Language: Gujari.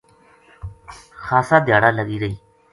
خاصا دھیاڑا لگی رہی